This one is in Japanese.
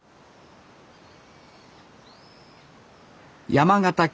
山形県